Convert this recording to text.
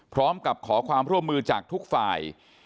พร้อมกับขอความร่วมมือจากทุกฝ่าย